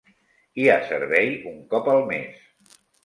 Hi ha servei un cop al mes.